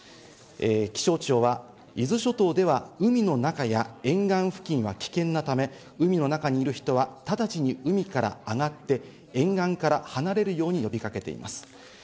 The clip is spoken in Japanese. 気象庁は伊豆諸島では海の中や沿岸付近は危険なため、海の中にいる人は直ちに海から上がって沿岸から離れるように呼び掛けています。